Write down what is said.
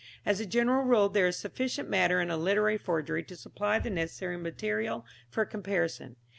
As a general rule there is sufficient matter in a literary forgery to supply the necessary material for comparison.